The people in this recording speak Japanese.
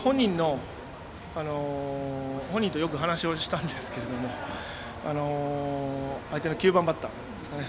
本人とよく話をしたんですけども相手の９番バッターですかね。